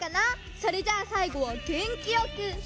それじゃあさいごはげんきよく！